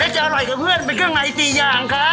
แต่จะอร่อยกับเพื่อนเป็นเครื่องไม้๔อย่างครับ